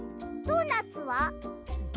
ドーナツ？